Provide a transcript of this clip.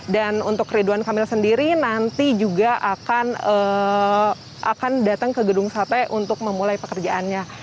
dan untuk ridwan kamil sendiri nanti juga akan datang ke gedung sate untuk memulai pekerjaannya